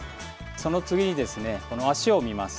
その次にですね、足を見ます。